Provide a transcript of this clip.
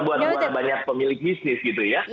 buat banyak pemilik bisnis gitu ya